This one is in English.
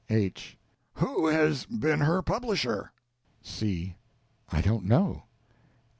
H. Who has been her publisher? C. I don't know.